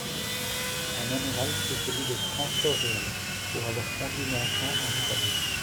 Un amiral prit celui de Transport-Real , pour avoir conduit l’Infant en Italie.